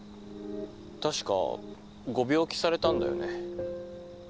確かご病気されたんだよね。